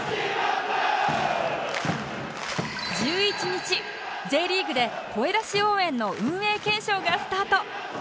１１日 Ｊ リーグで声出し応援の運営検証がスタート